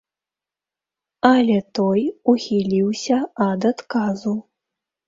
Але той ухіліўся ад адказу.